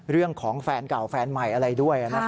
เรื่องของแฟนเก่าแฟนใหม่อะไรด้วย